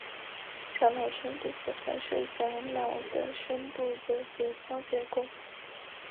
小脑深部核团是小脑的深部的解剖结构。